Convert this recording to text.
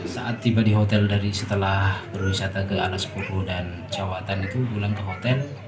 saat tiba di hotel dari setelah berwisata ke anas pupu dan jawatan itu pulang ke hotel